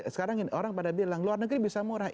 sekarang orang pada bilang luar negeri bisa murah